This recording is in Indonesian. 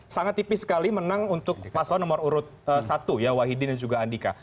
sangat tipis sekali menang untuk paslon nomor urut satu ya wahidin dan juga andika